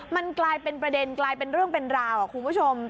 มันกลายเป็นประเด็นกลายเป็นเรื่องเป็นราวคุณผู้ชม